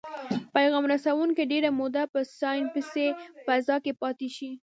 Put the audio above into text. پیغام رسوونکي ډیره موده په سیناپسي فضا کې پاتې شي.